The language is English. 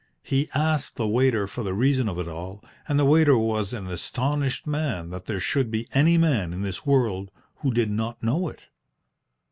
He asked the waiter for the reason of it all, and the waiter was an astonished man that there should be any man in this world who did not know it.